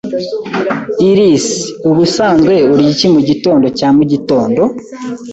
Iris, ubusanzwe urya iki mugitondo cya mugitondo?